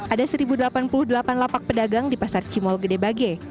ada satu delapan puluh delapan lapak pedagang di pasar cimol gede bage